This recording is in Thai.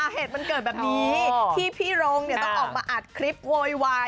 เหตุมันเกิดแบบนี้ที่พี่โรงต้องออกมาอัดคลิปโวยวาย